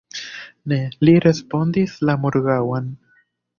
Ne, li respondis la morgaŭan.